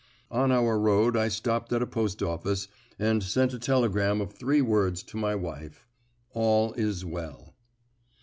On our road I stopped at a post office, and sent a telegram of three words to my wife: "All is well."